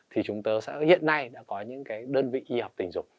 thì chúng ta sẽ hiện nay đã có những đơn vị y học tình dục